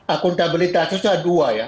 akuntabilitas itu ada dua ya